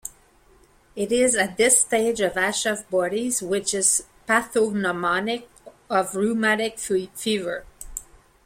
It is at this stage of Aschoff bodies, which is pathognomonic of rheumatic fever.